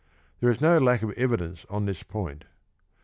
There is no lack of evidence on this point.